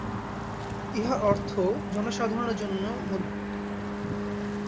ইহার অর্থ, জনসাধারণের মধ্যে শিক্ষাবিস্তার করিতে হইবে।